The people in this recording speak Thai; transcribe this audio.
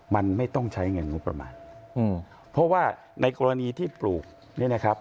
มันไม่ต้องใช้เงินงบประมาณอืมเพราะว่าในกรณีที่ปลูกเนี่ยนะครับ